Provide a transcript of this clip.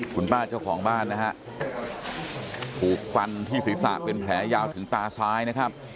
คุณป้าเจ้าของบ้านนะฮะถูกฟันที่ศีรษะเป็นแผลยาวถึงตาซ้ายนะครับ